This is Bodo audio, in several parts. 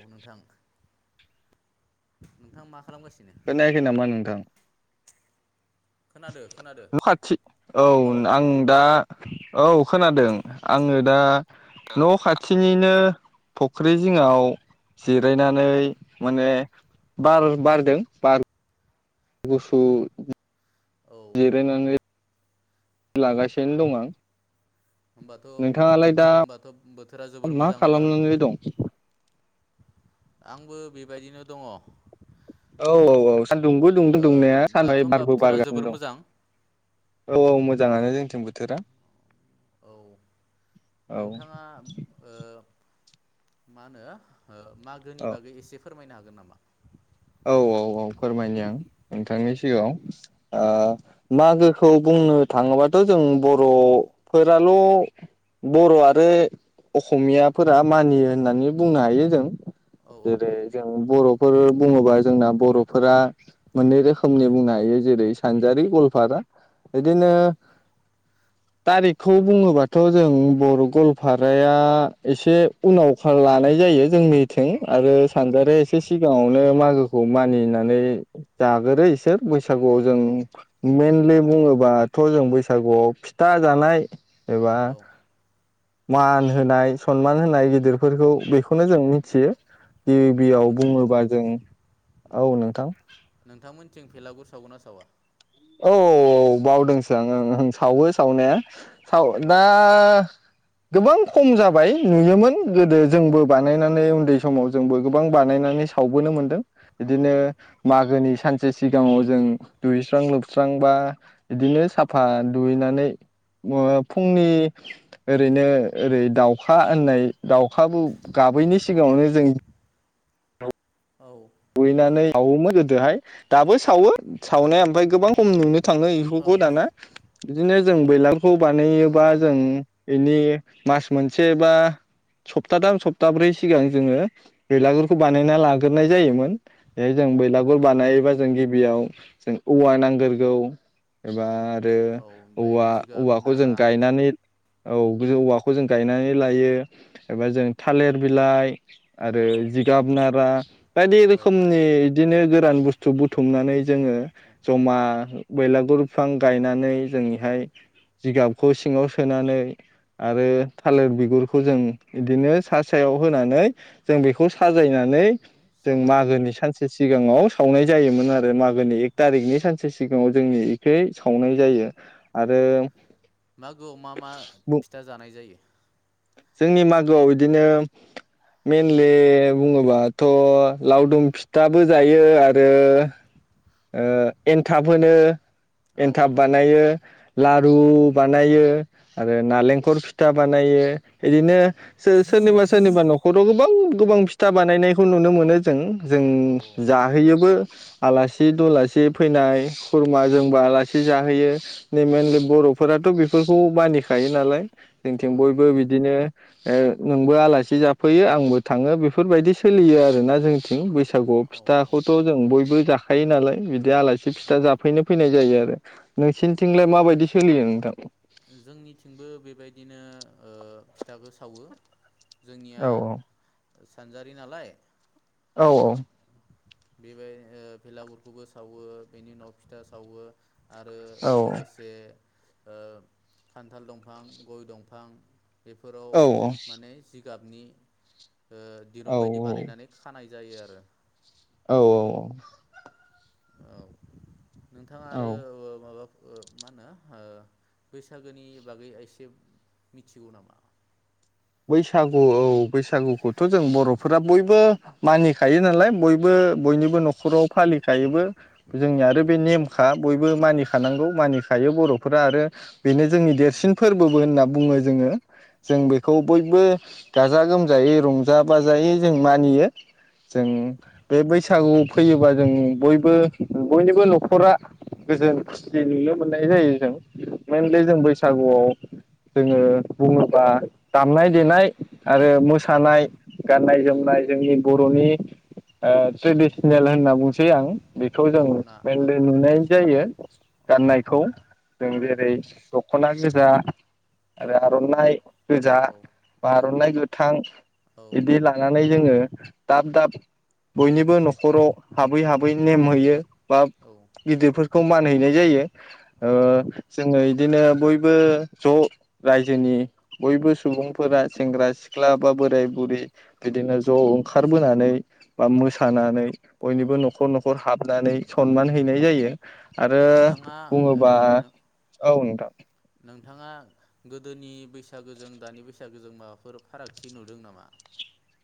औ नोंथां नोंथां मा खालामगासिनो खोनायाखै नामा नोंथां खोनादो खोनादो खाथि औ हेलौ आं दा औ खोनादों आङो दा न' खाथिनिनो फुख्रि जिङाव जिरायनानै माने बार बारदों बार गुसु औ जिरायनानै बो लागासिनो दं आं होमबाथ' नोंथाङालाय दा होमबाथ' बोथोरा जोबोर मा मोजां होनबा खालामनानै दं? आंबो बेबायदिनो दङ औ औ औ सानदुंबो दुंदों दुंनाया दाथ' [unintelligible] होमबा बारबो बोथोरा बारगासिनो जोबोर दं मोजां औ औ मोजां मोजाङानो जोंथिं बोथोरा औ औ नोंथाङा ओ मा होनो? औ मागोनि बागै एसे फोरमायनो हागोन नामा? औ औ औ फोरमायनि आं औ नोंथांनि सिगाङाव ओ औ मागो खौ बुंनो थाङोबाथ जों बर'फोराल बर' आरो अखमियाफोरा मानियो होननानै बुंनो हायो जों। औ जैरै जों बर' फोर बुङोबा जोंना बर'फोरा मोननै रोखोमनि बुंनो हायो। जेरै सानजारि गलफारा औ बिदिनो तारिखखौ बुङोबाथ जों बर' गलपाराया एसे उनाव लानाय जायो। जोंनिथिं औ आरो सानगारिया एसे सिगाङावनो मागोखौ मानिनानै जागोरो इसोर। बैसागुआव जों मेन [unintelligible] बुङोबाथ जों बैसागुआव फिथा जानाय एबा औ मान होनाय सनमान होनाय बिदि गिदिरफोरखौ औ बेखौनो जों थियो। औ गिबियाव नोंथांमोन बुङोबा जों नोंथां नोंथांमोनथिं भेलागुर सावगोनना सावा औ बावदोंसो आं ओं ओं आं औ सावो सावनाया साव औ दा गोबां खम जाबाय नुयोमोन गोदो जोंबो बानायनानै उन्दै समाव जोंबो गोबां बानायनानै सावबोनो मोन्दों। औ बिदिनो मागोनि सानसे सिगाङाव जों दुगैस्रां लोब स्रां बा औ बिदिनो औ साफा दुगैनानै फुंनि ओरैनो ओरै दाउखा होननाय दाउखाबो गाबैनि औ सिगाङावनो जों औ दुगैनानै सावोमोन गोदोहाय दाबो सावो। सावनाया ओमफ्राय गोबां खम नुनो थाङो बेफोरखौ दाना। बिदिनो जों बैलां खौ बानायोबबा औ जों बेनि मास मोनसे बा सप्ताथाम सप्ताब्रै सिगां जोङो बेलागुरखौ बानायना लाग्रोनाय जायोमोन ए जों बैलागुर औ बानायोबा जों गिबियाव जों औवा नांगोरगौ एबा आरो ओमफ्राय औवा जिगाब औवाखौ जों नारा गायनानै औ औवाखौ जों गायनानै लायो एबा जों थालिर बिलाइ आरो औ जिगाब‌‌ नारा बायदि औ रोखोमनि इदिनो गोरान बुस्थु बुथुमनानै जोङो औ जमा बेलागुर फां गायनानै औ जोंनिहाय जिगाब खौ सिङाव सोनानै आरो थालिर बिगुरखौ जों बिदिनो सा सायाव होनानै जों बेखौ स नानै जों सावनाय म जायो गोदोनि सानसे सिगाङाव सावनाय जायोमोन आरो मागोनि एक थारिखनि सानसे सिगाङाव जोंनि सावनाय औ जायो आरो औ मागोआव मा मा फिथा जानाय जायो जोंनि मागोआव इदिनो मेनलि बुङोबाथ' लावदुम फिथाबो जायो आरो ओ एन्थाब होनो औ एन्थाब बानायो औ लारु बानायो आरो नारेंखर फिथा बानायो इदिनो सोरनिबा सोरनिबा न'खराव गोबां गोबां फिथा बानायनायखौ नुनो मोनो जों जों औ जाहोयोबो आलासि आसि दुलासि फैनाय खुरमा जोंबो आलासि जाहैयो मेनलि बर'फोराथ' बेफोरखौ मानिखायो नालाय जोंथिं बयबो बिदिनो ओ नोंबो आलासि जाफैयो आंबो थाङो बेफोरबायदि सोलियो आरोना जोंथिं बैसाग बैसागुआव औ फिथाखौथ' जों बयबो जाखा खायो नालाय बिदिनो बिदि आलासि औ फिथा जाफैनो फैनाय जायो आरो नोंसिनिथिंलाय माबायदि सोलियो नोंथां? जोंनिथिंबो बेबायदिनो ओ फिथाखो सावो। जोंनिया औ सानजारि नालाय औ औ बेबाय ओ बेलागुरखौबो सावो बेनि उनाव फिथा सावो। आरो औ लोगोसे ओ खान्थाल दंफां गय दंफां बेफोराव औ औ माने जि गाबनि ओ दिरुं बायदि बानायनानै खानाय जायो आरो। औ औ औ औ नोंथाङा औ आरो माबा ओ मा होनो ओ बैसागोनि बागै एसे मिथिगौ नामा? बैसागु औ बैसागुखौथ जों बर'फोरा बयबो मानिखायो नालाय बयबो बयनिबो नखराव फालिखायोबो जोंनि औ आरो बे नेमखा बयबो मानिखानांगौ मानिखायो बर'फोरा आरो बेनो जोंनि देरसिन फोरबोबो होनना बुङो जोङो। जों औ बे खौ बयबो गाजा गोमजायै रंजा बाजायै जों मानियो। जों औ बे बैसाग बैसागु फैयोबा जों बयबो बयनिबो नखरा गोजोन खुसि नुनो मोननाय जायो। जों औ मेइेनलि जों बैसागुआव जोङो बुङोबा दामनाय देनाय आरो औ मोसानाय गाननाय जोमनाय जोंनि बर'नि ओ ट्रेडिसनेल होनना बुंसै आं बेखौ जों दख'ना औ मइेनलि नुनाय जायो औ गाननायखौ जों औ जेरै सला गोजा आरो औ आरो आर'नाइ गोजा औ आर'नाइ गोथां बिदि लानानै जोङो दाब दाब बयनिबो नखराव हाबै हाबै नेम होयो बा गिदिरफोर खौ मान हैैनाय जायो। औ ओ जोङो बिदिनो बयबो ज रायजोनि बयबो सुबुंफोरा सेंग्रा सिख्ला बा बोराय बुरि बिदिनो ज ओंखारबोनानै बा मोसानानै औ बयनिबो नखर नखर हाब नानै सनमान हैनाय जायो। आरो नोंथाङा ओ बुङोबा नों औ [unintelligible] नोंथाङा गोदोनि बैसागोजों दानि बैसागोजों माबाफोर फारागथि नुदों नामा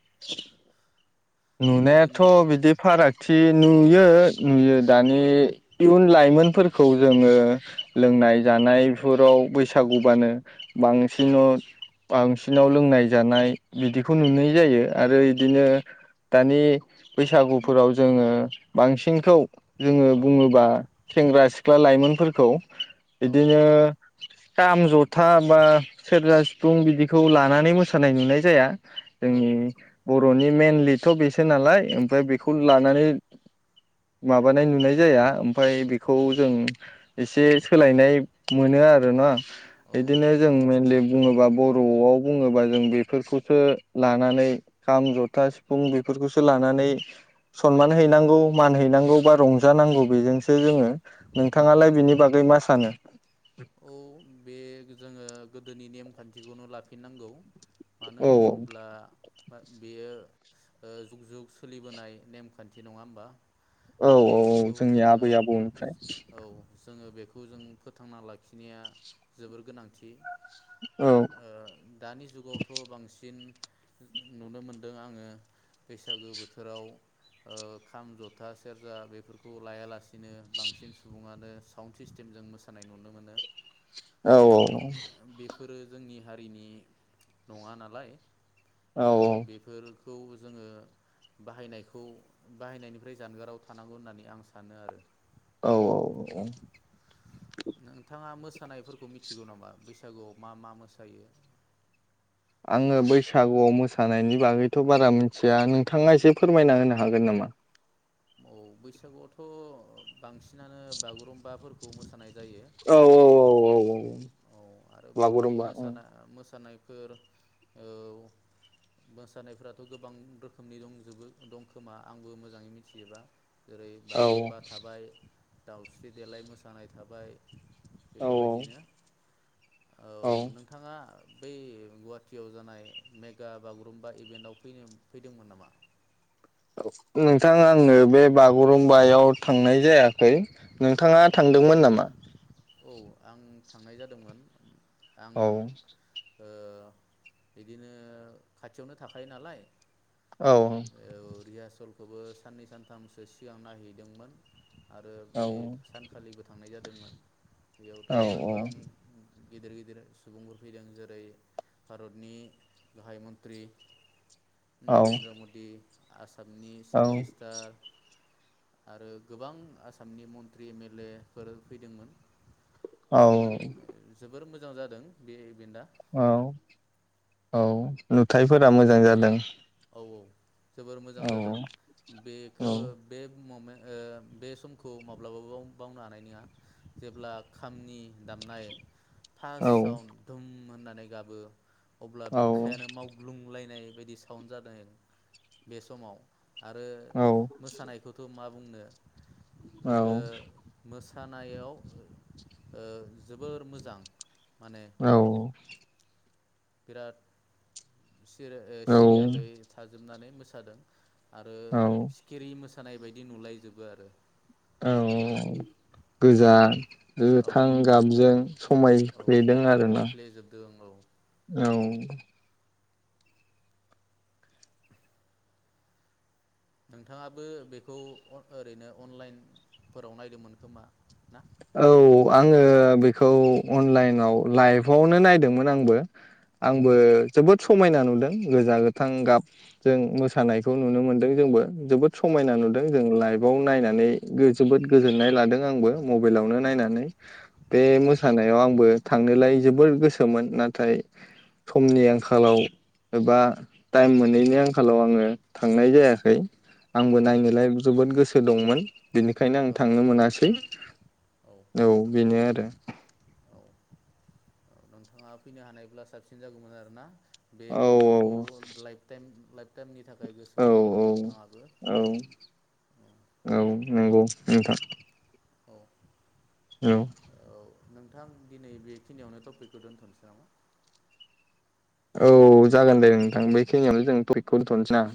[unintelligible] नुनायाथ' गोदोनि बिदि फाराग थि नुयो नुयो दानि इयुन लाइमोनफोरखौ जोङो लोंनाय जानायफोराव बैसागबानो औ बांसिनाव बांसिनाव लोंनाय जानाय बिदिखौ नुनाय जायो आरो इदिनो दानि बैसागुफोराव जोङो बांसिनखौ जोङो औ बुङोबा सेंग्रा सिख्ला लाइमोनफोरखौ औ बिदिनो खाम जथा बा सेरजा सिफुं बिदिखौ लानानै मोसानाय नुनाय जाया जोंनि बर'नि मेनलिथ' बेसो नालाय ओमफ्राय बेखौ औ लानानै माबानाय नुनाय जाया ओमफ्राय बेखौ जों एसे सोलायनाय मोनो आरो ना औ इदिनो जों मेनलि बुङोबा बर'आव बुङोबा जों बेफोरखौसो लानानै खाम जथा सिफुं बेफोरखौसो लानानै सनमान हैनांगौ मान हैनांगौ बा रंजानांगौ बेजोंसो जोङो औ नोंथाङालाय बिनि बागै मा सानो औ बे जोङो गोदोनि नेमखान्थिखौनो लाफिननांगौ मानो औ औ होनोब्ला बेयो ओ जुग जुग सोलिबोनाय नेमखान्थि नङा होमबा औ औ औ बेखौ जोंनि जोङो आबै आबौनिफ्राय औ जोङो बेखौ जों फोथांना लाखि खिनाया जोबोर गोनांथि औ ओ दानि जुगावथ' बांसिन नुनो मोनदों आङो बैसागो बोथोराव ओ खाम जथा सेरजा बेफोरखौ लायालासिनो बांसिन सुबुङानो साउन्ड सिस्टेमजों मोसानाय नुनो मोनो औ औ बेफोरो जोंनि हारिनि नङा नालाय औ ओ बेफोर खौ जोङो बाहायनायखौ बाहायनायनिफ्राय जानगाराव थानांगौ होननानै आं सानो आरो औ औ औ नोंथाङा मोस मोसानायफोरखौ मिथिगौ नामा बैसागुआव मा मा मोसायो आङो बैसागुआव मोसानायनि बागैथ' बारा मिथिया नोंथाङा एसे फोरमायना होनो हागोन नामा औ बैसागुआवथ' बांसिनानो बागुरुम्बाफोरखौ खौ मोसानाय जायो औ औ औ औ औ औ आरो बर'नि बागुरुम्बा औ मोसाना मोसानाय फोर औ मोसानायफोराथ' गोबां रोखोमनि दंजोबो दंखोमा आंबो मोजाङै मिथिजोबा जेरै औ बागुरुम्बा थाबाय दावस्रि देेलाय मोसानाय थाबाय औ बेफोरबायदिनो औ नोंथाङा बै गुवाहाटियाव जानाय मेगा बागुरुम्बा इभेन्टाव फैनो फैदोंमोन नामा? नोंथां आङो बे बागुरुमबायाव थांनाय जायाखै नोंथाङा औ थांदोंमोन नामा? औ आं थांनाय जादोंमोन। आं औ ओ बिदिनो खाथियावनो थाखायो नालाय औ खौबो साननै सानथामसो सिगां नायहैदोंमोन आरो औ बे सानखालि गोथार थांनाय जादोंमोन। बेयावथ' औ गोबां गिदिर गिदिर सुबुंफोर फैदों जेरै भारतनि गाहाय मन्त्रि नरेन्द्र मदि आसाम आसामनि औ चिफ मिनिस्टार आरो गोबां आसामनि मन्त्रि एम एल ए फोर फैदोंमोन। जोबोर औ मोजां जादों बे इभेनदा। औ औ नुथायफोरा मोजां जादों। औ जोबोर मोजां औ जादों बेखौ औ बे ममेन्ट ओ बे समखौ माब्लाबाबो बावनो हानाय नङा जेब्ला खामनि दामनाय। फास्ताव औ साउनद दुम। होननानै गाबो अब्ला औ बिखायानो मावग्लुंलायनाय। बायदि सो साउन जादों बे समाव आरो औ मोसानायखौथ' मा बुं बुंनो औ ओ मोसा थानायाव ओ जोबोर मोजां माने औ बिराद सिरिया ओ सिरियालै औ थाजोबनानै मो मोसादों आरो औ सिखिरि मोसा खानाय बायदि नुलायजोबो आरो औ गोजा औ गोथां गाबजों औ समायफ्लेदों आरोना समायफ्लेजोबदों औ औ नोंथाङाबो बेखौ ओरैनो अनलाइनफोराव नायदोंमोन खोमा ना औ आङो बेखौ अनलाइनाव लाइभआवनो नायदोंमोन आंबो औ आंबो जोबोद समायना नुदों गोजा गोथां गाबजों मोसानायखौ नुनो मोनदों जोंबो जोबोद समायना औ नुदों जों लाइभ आव नायनानै जोबोद गोजोननाय लादों आंबो मबाइलावनो नायनानै बे औ मोसानायाव आंबो थांनोलाय जोबोर गोसोमोन नाथाय समनि आंखालाव एबा टाइम मोनैनि आंखालाव आङो थांनाय जायाखै आंबो नायनोलाय जोबोद गोसो दंमोन बेनिखायनो आं औ थांनो मोनासै औ बेनो आरो औ नोंथाङा फैनो हानायब्ला साबसिन जागौमोन आरोना बे औ ममेन्टखौ लाइफटाइम लाइफटाइमनि थाखाय औ गोसोआव थागौ औ नोंथाङाबो औ औ नंगौ नोंथां औ औ औ नोंथां दिनै बेखिनियावनो टपिकखौ दोन्थ'नोसै नामा औ जागोन दे नोंथां बेखिनियावनो जों टपिकखौ दोनथ'नोसै ना